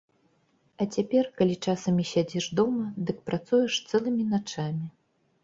А цяпер, калі часам і сядзіш дома, дык працуеш цэлымі начамі.